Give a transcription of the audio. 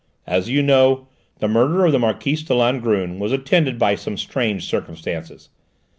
As you know, the murder of the Marquise de Langrune was attended by some strange circumstances.